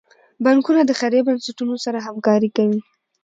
بانکونه د خیریه بنسټونو سره همکاري کوي.